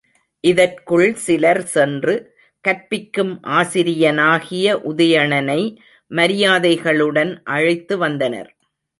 இதற்குள் சிலர் சென்று, கற்பிக்கும் ஆசிரியனாகிய உதயணனை மரியாதைகளுடன் அழைத்து வந்தனர்.